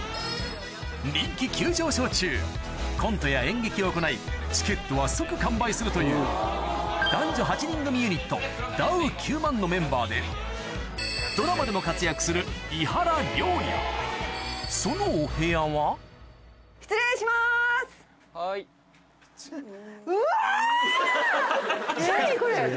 人気急上昇中コントや演劇を行いチケットは即完売するという男女８人組ユニットダウ９００００のメンバーで飯原僚也・はい・何これ！